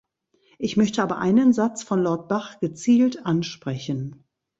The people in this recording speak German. Ich möchte aber einen Satz von Lord Bach gezielt ansprechen.